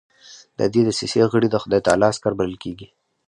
د دې دسیسې غړي د خدای تعالی عسکر بلل کېدل.